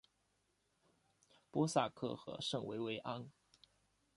波萨克和圣维维安。